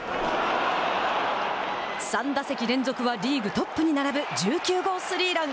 ３打席連続はリーグトップに並ぶ１９号スリーラン。